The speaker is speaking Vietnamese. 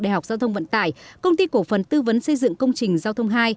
đại học giao thông vận tải công ty cổ phần tư vấn xây dựng công trình giao thông hai